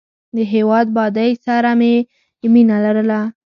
د هېواد بادۍ سره یې مینه لرله.